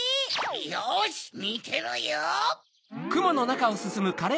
よしみてろよ！